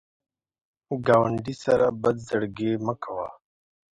ګاونډي سره بد زړګي مه کوه